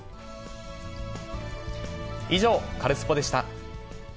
以上、カルスポっ！でした。